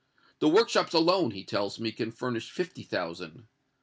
The workshops alone, he tells me, can furnish fifty thousand.